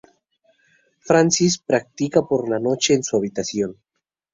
Francis practica por la noche en su habitación.